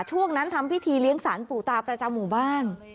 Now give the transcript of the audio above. ช่วงนั้นทำพิธีเลี้ยงสารปู่ตาประจำหมู่บ้าน